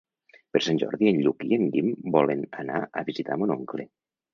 Per Sant Jordi en Lluc i en Guim volen anar a visitar mon oncle.